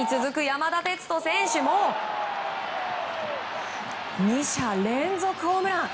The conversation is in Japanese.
山田哲人選手も２者連続ホームラン。